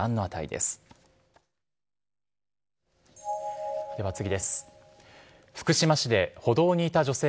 では次です。